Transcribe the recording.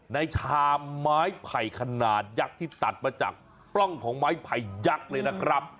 ชามไม้ไผ่ขนาดยักษ์ที่ตัดมาจากปล้องของไม้ไผ่ยักษ์เลยนะครับ